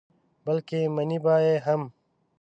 بلکې منې به یې هم.